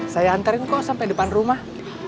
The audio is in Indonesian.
saya hantarin kok sampe depan rumah